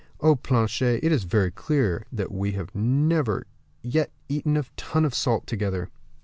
Oh, Planchet, it is very clear that we have never yet eaten a ton of salt together."